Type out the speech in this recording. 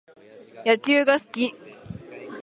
野球が好き